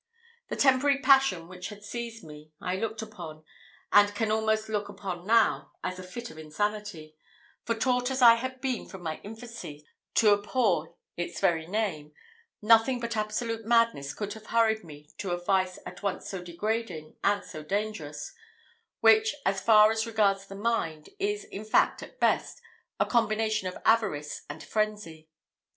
The temporary passion which had seized me, I looked upon, and can almost look upon now, as a fit of insanity; for taught as I had been from my infancy to abhor its very name, nothing but absolute madness could have hurried me to a vice at once so degrading and so dangerous which, as far as regards the mind, is in fact, at best, a combination of avarice and frenzy.